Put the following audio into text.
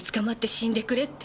死んでくれって。